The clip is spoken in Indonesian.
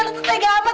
lo tuh tegak amat